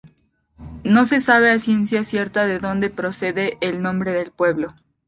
No se sabe a ciencia cierta de donde procede el nombre del pueblo.